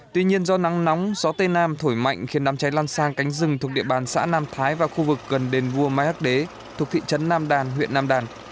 tuy nhiên do nắng nóng gió tây nam thổi mạnh khiến đám cháy lan sang cánh rừng thuộc địa bàn xã nam thái và khu vực gần đền vua mai hắc đế thuộc thị trấn nam đàn huyện nam đàn